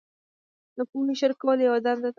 د پوهې شریکول یوه دنده ده.